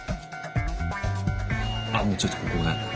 あっもうちょっとここね。